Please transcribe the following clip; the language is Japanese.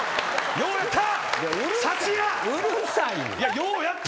ようやった！